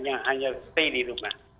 hanya stay di rumah